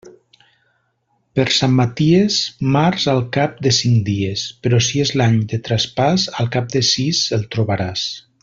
Per Sant Maties, març al cap de cinc dies, però si és l'any de traspàs, al cap de sis el trobaràs.